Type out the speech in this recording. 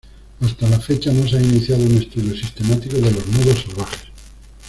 Hasta la fecha no se ha iniciado un estudio sistemático de los nudos salvajes.